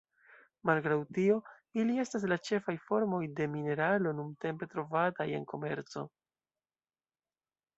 Malgraŭ tio, ili estas la ĉefaj formoj de la mineralo nuntempe trovataj en komerco.